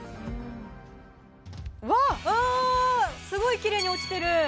すごいきれいに落ちてる！